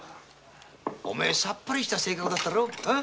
さっぱりした性格だったろう。